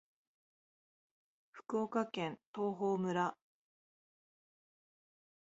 福岡県東峰村